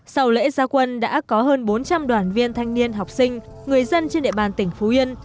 sau lễ gia quân đã có hơn bốn trăm linh đoàn viên thanh niên học sinh người dân trên địa bàn tỉnh phú yên